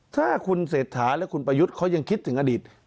ถ้าคุณเศรษฐาและคุณประยุทธ์เขายังคิดถึงอดีต